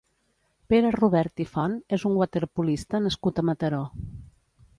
Pere Robert i Font és un waterpolista nascut a Mataró.